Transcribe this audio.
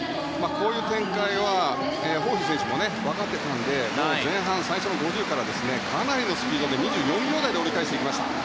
こういう展開はホーヒー選手も分かっていたので前半、最初の５０ｍからかなりのスピード、２４秒台で折り返していきました。